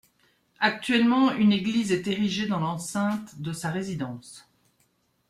Actuellement, une église est érigée dans l'enceinte de sa résidence.